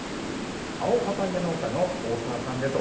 青パパイア農家の大澤さんです。